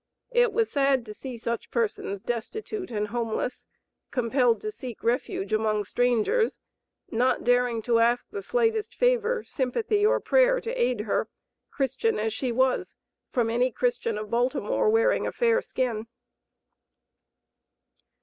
It was sad to see such persons destitute and homeless, compelled to seek refuge among strangers, not daring to ask the slightest favor, sympathy or prayer to aid her, Christian as she was, from any Christian of Baltimore, wearing a fair skin.